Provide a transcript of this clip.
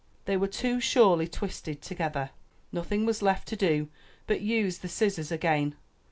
They were too surely twisted together. Nothing was left to do, but use the scissors again.